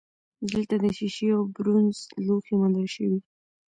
دلته د شیشې او برونزو لوښي موندل شوي